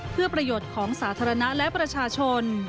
เพื่อประโยชน์ของสาธารณะและประชาชน